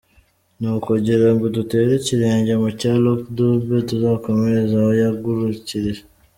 Ni ukugira ngo dutere ikirenge mu cya Luck Dube, tuzakomereza aho yagrukirije.